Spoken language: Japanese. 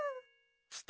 きた！